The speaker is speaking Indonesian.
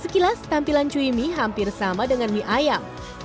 sekilas tampilan cui mie hampir sama dengan mie ayam